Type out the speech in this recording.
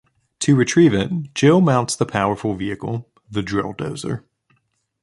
To retrieve it, Jill mounts the powerful vehicle, the Drill Dozer.